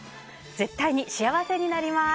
絶対に幸せになります。